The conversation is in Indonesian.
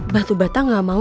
batu bata gak mau